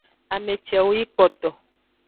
Ame cewo yi kpoto.